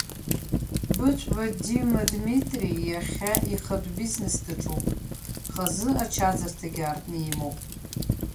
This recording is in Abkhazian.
Быҭәба ДимаДмитри иахьа ихатә бизнес даҿуп, хазы ачаӡырҭагьы аартны имоуп.